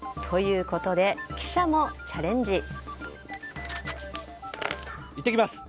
ということで記者もチャレンジ。